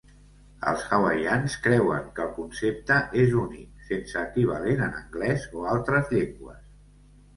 Els hawaians creuen que el concepte és únic, sense equivalent en anglès o altres llengües.